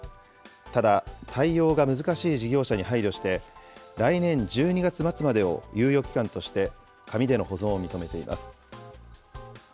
ただ、対応が難しい事業者に配慮して、来年１２月末までを猶予期間として紙での保存を認めています。